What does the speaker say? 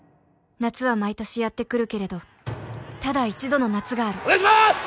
夏は毎年やってくるけれどただ一度の夏があるお願いします！